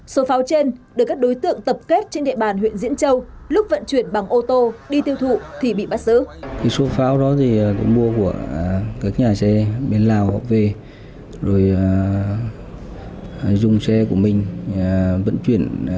số pháo trên được các đối tượng tập kết trên địa bàn huyện diễn châu lúc vận chuyển bằng ô tô đi tiêu thụ thì bị bắt giữ